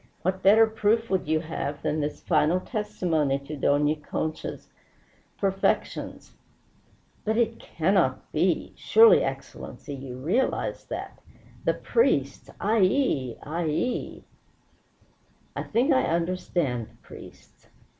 "What better proof would you have than this final testimony to Dona Concha's perfections?" "But it cannot be! Surely, Excellency, you realize that? The priests! Ay yi! Ay yi!" "I think I understand the priests.